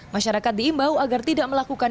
masyarakat diimbau agar tidak melakukan